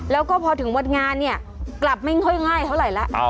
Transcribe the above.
แล้วก็พอถึงวันงานเนี่ยกลับไม่ค่อยง่ายเท่าไหร่แล้ว